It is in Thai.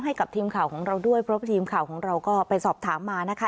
ให้กับทีมข่าวของเราด้วยเพราะทีมข่าวของเราก็ไปสอบถามมานะคะ